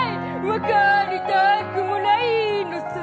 分かりたくもないのさ。